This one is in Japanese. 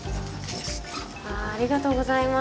ありがとうございます。